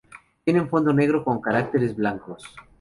Tienen fondo negro con caracteres blancos.